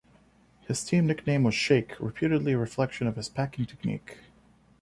His team nickname was "shake"; reputedly a reflection on his packing technique.